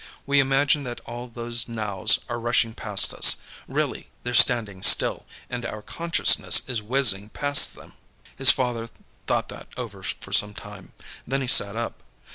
We imagine that all those nows are rushing past us. Really, they're standing still, and our consciousness is whizzing past them." His father thought that over for some time. Then he sat up.